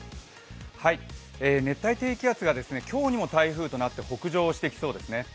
熱帯低気圧が今日にも台風となって北上してきそうですね。